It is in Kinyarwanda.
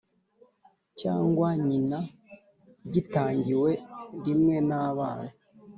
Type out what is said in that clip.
Cyangwa nyina gitangiwe rimwe n abana